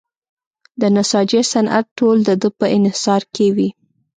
د نساجۍ صنعت ټول د ده په انحصار کې وي.